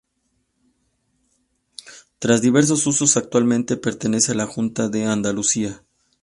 Tras diversos usos, actualmente pertenece a la Junta de Andalucía.